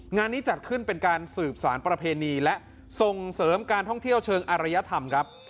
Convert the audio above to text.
งานนี้จัดขึ้นเป็นการสืบสารประเพณีและส่งเสริมการท่องเที่ยวเชิงอารยธรรมครับ